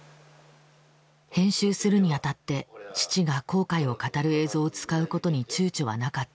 編集するにあたって父が後悔を語る映像を使うことにちゅうちょはなかった。